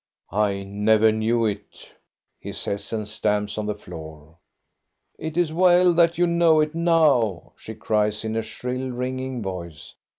"I never knew it!" he says, and stamps on the floor. " It is well that you know it now !" she cries, in a shrill, ringing voice.